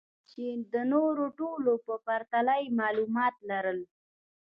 چې د نورو ټولو په پرتله يې معلومات لرل.